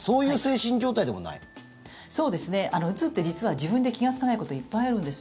うつって、実は自分で気がつかないこといっぱいあるんです。